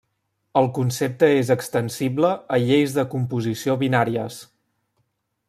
El concepte és extensible a lleis de composició binàries.